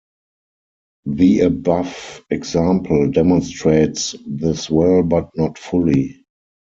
The above example demonstrates this well, but not fully.